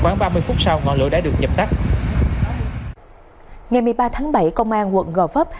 ngày một mươi ba tháng bảy công an quận gò vấp